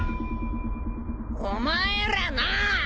お前らな！